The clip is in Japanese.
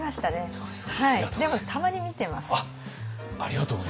そうですか。